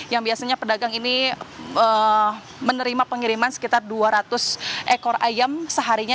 yang biasanya pedagang ini menerima pengiriman sekitar dua ratus ekor ayam seharinya